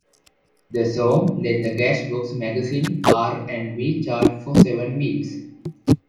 The song led the "Cashbox" magazine R and B chart for seven weeks.